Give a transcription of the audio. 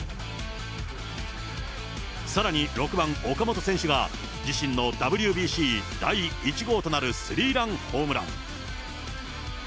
さらに６番、岡本選手が自身のＷＢＣ第１号となるスリーランホームラン。